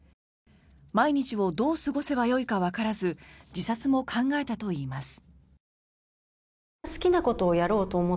毎日をどう過ごせばよいかわからず自殺も考えたといいます。